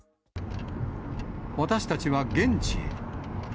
私たちは現地へ。